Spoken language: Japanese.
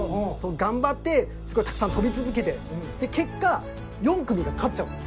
頑張ってすごいたくさん跳び続けてで結果４組が勝っちゃうんです。